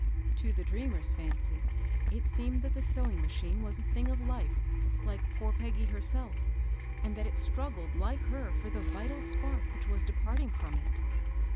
To the dreamer's iancy, it seemed that the sew ing machine was a thing of life, like poor Peggy herself, and that it struggled like her for the vital spark which was departing from it.